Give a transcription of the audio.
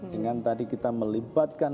dengan tadi kita melibatkan